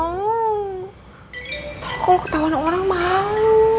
ntar kalau ketawa anak orang malu